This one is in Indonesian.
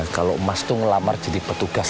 kalau emas itu ngelamar jadi petugas